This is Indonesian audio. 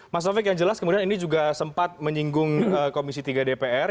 mas taufik yang jelas kemudian ini juga sempat menyinggung komisi tiga dpr